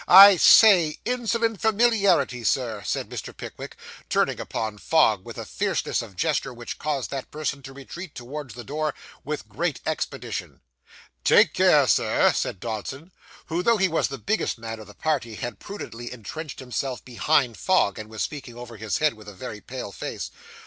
I say insolent familiarity, sir,' said Mr. Pickwick, turning upon Fogg with a fierceness of gesture which caused that person to retreat towards the door with great expedition. 'Take care, Sir,' said Dodson, who, though he was the biggest man of the party, had prudently entrenched himself behind Fogg, and was speaking over his head with a very pale face.